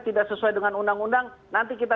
tidak sesuai dengan undang undang nanti kita